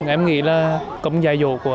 em nghĩ là công giai dụ của